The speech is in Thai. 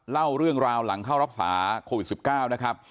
เล่าเรื่องราวหลังเข้ารักษาโควิด๑๙นะครับ